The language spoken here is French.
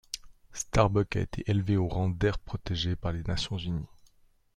Starbuck a été élevée au rang d'aire protégée par les Nations unies.